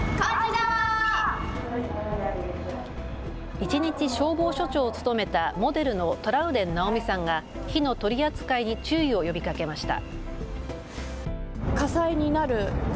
一日消防署長を務めたモデルのトラウデン直美さんが火の取り扱いに注意を呼びかけました。